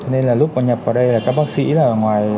nên là lúc mà nhập vào đây là các bác sĩ là ở ngoài